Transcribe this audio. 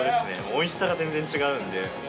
おいしさが全然違うんで。